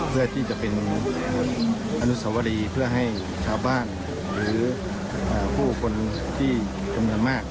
เพื่อที่จะเป็นอนุสาวรีให้ชมบ้านหรือผู้คนที่คุณสมัครมากได้